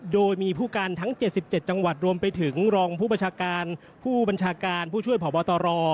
โดยมีผู้การทั้ง๗๗จังหวัดรวมไปถึงรองผู้ประชาการผู้บัญชาการผู้ช่วยผอบตร